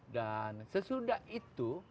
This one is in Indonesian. dan sesudah itu